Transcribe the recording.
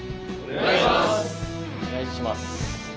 お願いします。